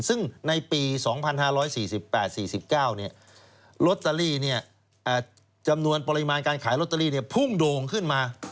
ซึ่งในปี๒๕๔๘๔๙ลอตเตอรี่จำนวนปริมาณการขายลอตเตอรี่พุ่งโด่งขึ้นมา